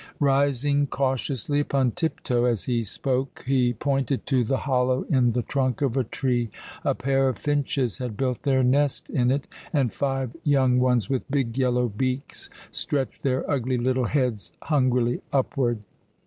Rising cautiously upon tip toe as he spoke, he pointed to the hollow in the trunk of a tree. A pair of finches had built their nest in it, and five young ones with big yellow beaks stretched their ugly little heads hungrily upward.